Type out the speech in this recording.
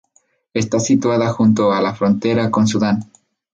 Está situada junto a la frontera con Sudán.